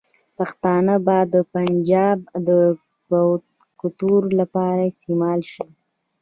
پښتانه به د پنجاب د ګټو لپاره استعمال شي.